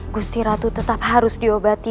gusti ratu tetap harus diobati